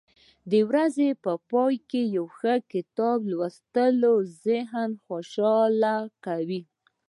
د ورځې په پای کې یو ښه کتاب لوستل زړه خوشحاله کوي.